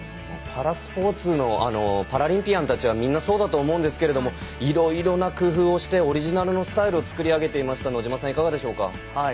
パラスポーツのパラリンピアンたちは皆そうだと思うんですがいろいろな工夫をしてオリジナルのスタイルをつくりあげていましたので野島さん、いかがでしょうか？